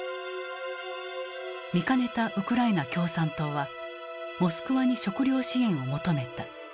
見かねたウクライナ共産党はモスクワに食糧支援を求めた。